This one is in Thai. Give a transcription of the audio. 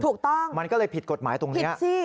ถูกต้องมันก็เลยผิดกฎหมายตรงนี้